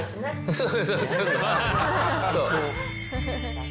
そう。